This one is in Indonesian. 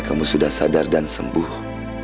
kamu sudah sadar dan sembuh